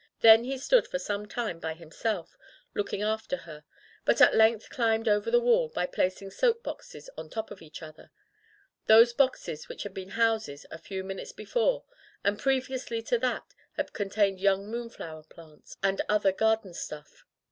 Then he stood for some time by himself, looking after her, but at length climbed over the wall by placing soap boxes on top of each other; those boxes which had been houses a few minutes before, and previously to that had. contained young moonflower plants and other garden stuff.